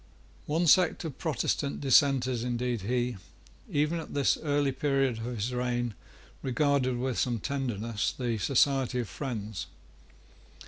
One sect of Protestant Dissenters indeed he, even at this early period of his reign, regarded with some tenderness, the Society of Friends.